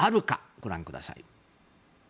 ご覧ください。